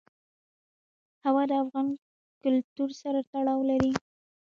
هوا د افغان کلتور سره تړاو لري.